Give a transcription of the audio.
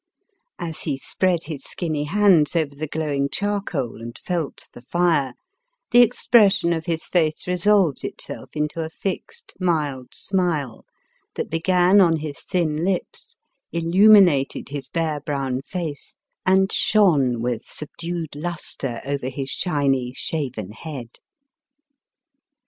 As he spread his skinny hands over the glowing charcoal and felt the fire, the expression of his face resolved itself into a fixed mild smile, that began on his thin lips, illuminated his bare, brown face, and shone with subdued lustre over his shiny, shaven head.